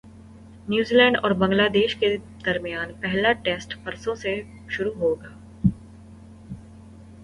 New Zealand اور Bangladesh کے درمیان پہلا ٹیسٹ پرسوں سے شروع ہوگا